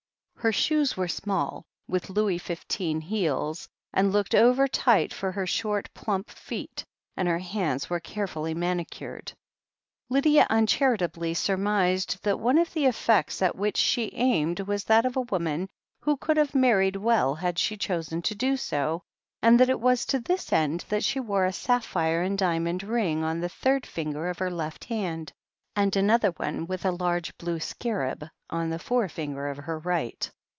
Her shoes were small, with Louis XV heels, and looked overtight for her short, plump feet, and her hands were carefully manicured. Lydia uncharitably surmised that one of the effects at which she aimed was that of a woman who could have married well had she chosen to do so, and that it ii6 THE HEEL OF ACHILLES was to this end that she wore a sapphire and diamond ring on the third finger of her left hand, and another one with a large blue scarab on the forefinger of her right.